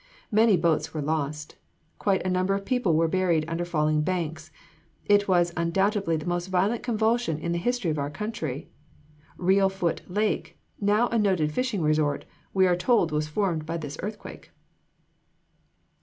Many boats were lost; quite a number of people were buried under falling banks. It was undoubtedly the most violent convulsion in the history of our country. Reelfoot lake, now a noted fishing resort, we are told was formed by this earthquake.